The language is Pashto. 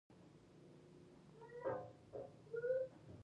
کله کله ناوړه کارونو ته لاس اچوي.